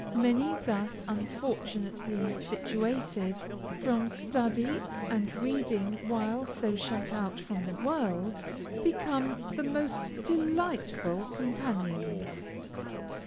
Many thus unfortunately situated, from study and reading while so shut out from the world, become the most delightful companions.